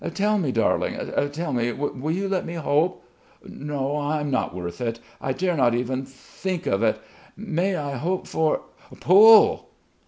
Tell me, darling, tell me will you let me hope? No! I'm not worth it. I dare not even think of it may I hope for.... Pull!